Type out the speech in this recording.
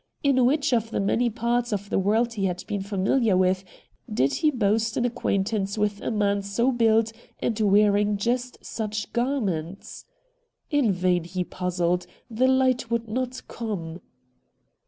In which of the many parts of the world he had been familiar with did he boast an acquaintance with a man so built and wearing just such garments ? In vain he puzzled ; the hght would not come.